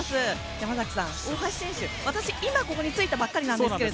山崎さん、大橋選手は私、今ここに着いたばかりなんですけど。